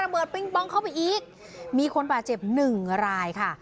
เบิงปองเข้าไปอีกมีคนบาดเจ็บหนึ่งรายค่ะ